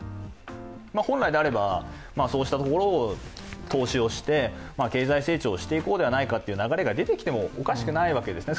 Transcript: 本来であれば、そうしたところを投資して、経済成長をしていこうではないかという流れが出てきてもおかしくないわけですね。